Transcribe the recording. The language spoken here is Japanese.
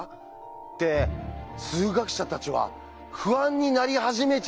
って数学者たちは不安になり始めちゃったわけです。